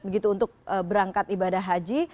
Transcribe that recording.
begitu untuk berangkat ibadah haji